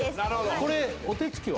これお手つきは？